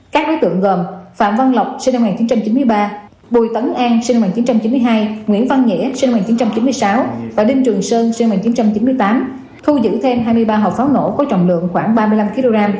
các đối tượng gồm phạm văn lộc sinh năm một nghìn chín trăm chín mươi ba bùi tấn an sinh năm một nghìn chín trăm chín mươi hai nguyễn văn nghĩa sinh năm một nghìn chín trăm chín mươi sáu và đinh trường sơn sinh năm một nghìn chín trăm chín mươi tám thu giữ thêm hai mươi ba hộp pháo nổ có trọng lượng khoảng ba mươi năm kg